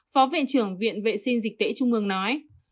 phó viện trưởng viện vệ sinh dịch tễ trung ương nói